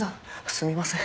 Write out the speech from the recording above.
すみません。